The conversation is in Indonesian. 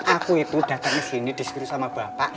aku itu datang kesini diskripsi sama bapak